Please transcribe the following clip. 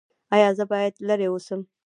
ایا زه باید لرې اوسم؟